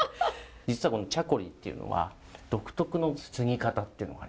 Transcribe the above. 実はこのチャコリっていうのは独特のつぎ方っていうのがありまして。